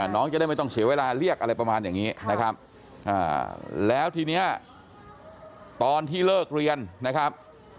น้องจะได้ไม่ต้องเสียเวลาเรียกอะไรประมาณอย่างนี้นะครับแล้วทีนี้ตอนที่เลิกเรียนนะครับ